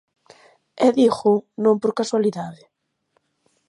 E dígoo non por casualidade.